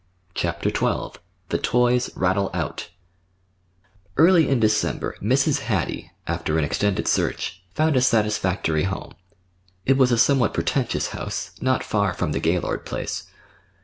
CHAPTER XII THE TOYS RATTLE OUT Early in December Mrs. Hattie, after an extended search, found a satisfactory home. It was a somewhat pretentious house, not far from the Gaylord place.